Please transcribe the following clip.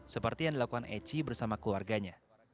seperti yang dilakukan eci bersama keluarganya